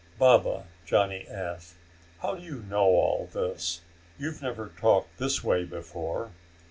"Baba," Johnny asked, "how do you know all this? You've never talked this way before."